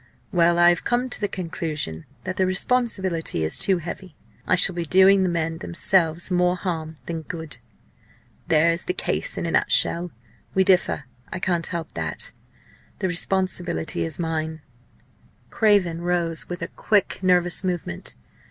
Well! I have come to the conclusion that the responsibility is too heavy. I shall be doing the men themselves more harm than good. There is the case in a nutshell. We differ I can't help that. The responsibility is mine." Craven rose with a quick, nervous movement.